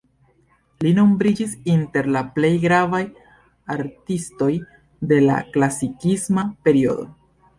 Li nombriĝis inter la plej gravaj artistoj de la klasikisma periodo.